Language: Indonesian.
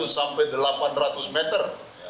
lima ratus sampai delapan ratus meter